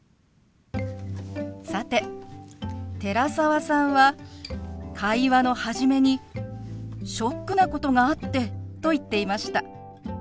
さて寺澤さんは会話の初めに「ショックなことがあって」と言っていました。